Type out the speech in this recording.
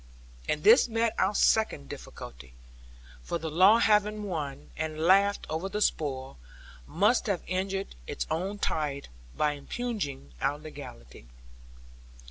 And this met our second difficulty; for the law having won and laughed over the spoil, must have injured its own title by impugning our legality.